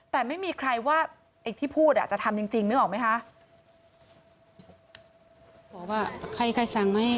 แต่ไม่มีใครว่าไอ้ที่พูดจะทำจริงนึกออกไหมคะ